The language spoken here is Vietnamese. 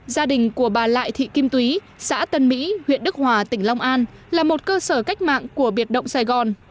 gia đình của bà lại thị kim túy xã tân mỹ huyện đức hòa tỉnh long an là một cơ sở cách mạng của biệt động sài gòn